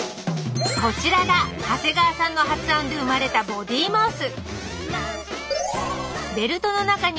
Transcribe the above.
こちらが長谷川さんの発案で生まれた「ボディーマウス」！